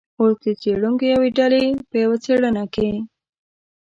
اوس د څیړونکو یوې ډلې په یوه څیړنه کې